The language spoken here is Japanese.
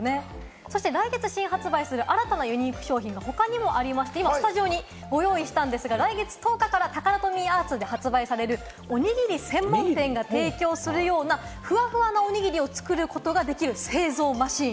そして来月発売されるユニーク商品が他にもありまして、来月１０日からタカラトミーアーツで発売される、おにぎり専門店が提供するような、ふわふわなおにぎりを作ることができる製造マシン。